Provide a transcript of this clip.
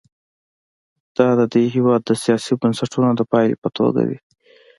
دا د دې هېواد د سیاسي بنسټونو د پایلې په توګه دي.